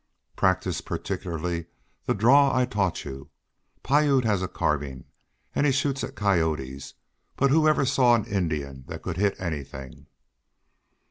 Practice particularly the draw I taught you. Piute has a carbine, and he shoots at the coyotes, but who ever saw an Indian that could hit anything?"